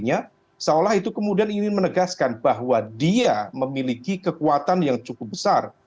jadi seolah olah itu kemudian ingin menegaskan bahwa dia memiliki kekuatan yang cukup besar